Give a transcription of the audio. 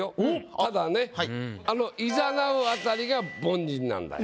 ただねあの「誘なう」あたりが凡人なんだよ。